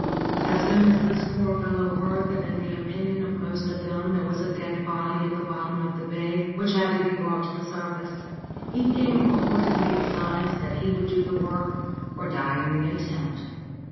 As soon as this poor fellow heard that in the opinion of most of them there was a dead body at the bottom of the bay which had to be brought to the surface, he came forward and made signs that he would do the work or die in the attempt.